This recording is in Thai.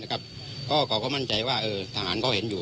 เขาก็มั่นใจว่าทหารเขาเห็นอยู่